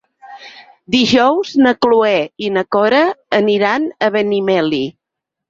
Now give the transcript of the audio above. Dijous na Cloè i na Cora aniran a Benimeli.